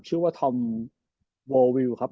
ชื่อว่าธอมโววิวครับ